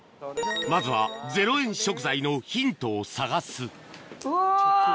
まずは０円食材のヒントを探すうわ！